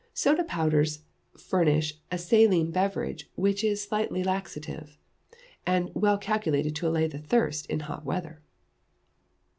Soda powders furnish a saline beverage which is very slightly laxative, and well calculated to allay the thirst in hot weather.